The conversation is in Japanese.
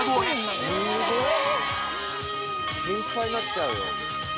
ごっ心配になっちゃうよ